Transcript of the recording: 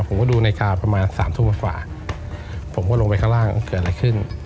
ผมก็ดูนาฬิกาประมาณสามทุ่มกว่าผมก็ลงไปข้างล่างเกิดอะไรขึ้น